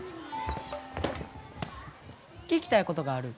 聞きたいことがある。